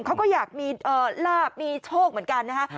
เขาก็อยากมีลาบมีโชคเหมือนกันนะฮะ